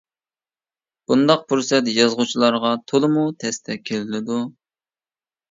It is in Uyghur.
بۇنداق پۇرسەت يازغۇچىلارغا تولىمۇ تەستە كېلىدۇ.